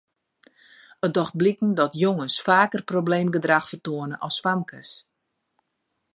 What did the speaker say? It docht bliken dat jonges faker probleemgedrach fertoane as famkes.